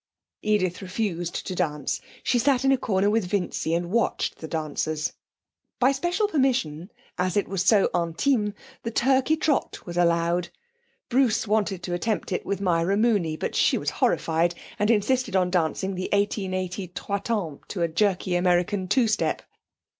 Edith refused to dance. She sat in a corner with Vincy and watched the dancers. By special permission, as it was so intime, the Turkey Trot was allowed. Bruce wanted to attempt it with Myra Mooney, but she was horrified, and insisted on dancing the 1880 trois temps to a jerky American two step.